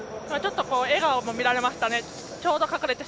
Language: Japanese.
笑顔も見られましたね。